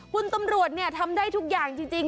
คุณตำรวจทำได้ทุกอย่างจริง